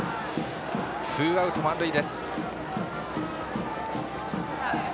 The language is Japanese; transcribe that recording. ツーアウト、満塁です。